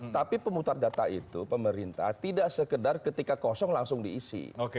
tapi pemutar data itu pemerintah tidak sekedar ketika kosong langsung diisi